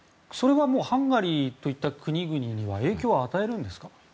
それはハンガリーといった国々には影響を与えるんですか？